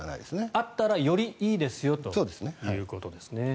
あったら、よりいいですよということですね。